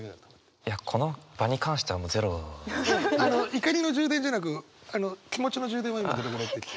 怒りの充電じゃなく気持ちの充電は今どれぐらい？